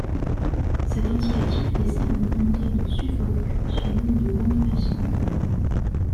Cet indicatif dessert le comté de Suffolk sur l'île de Long Island.